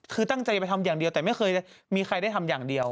คือตั้งใจจะไปทำอย่างเดียวแต่ไม่เคยมีใครได้ทำอย่างเดียว